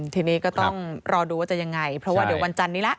ทีนี้ก็ต้องรอดูว่าจะยังไงเพราะว่าเดี๋ยววันจันนี้ละ